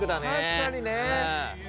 確かにね。